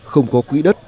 không có quỹ đất